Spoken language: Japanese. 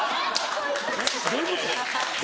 どういうこと？